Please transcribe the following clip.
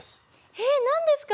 えっ何ですか？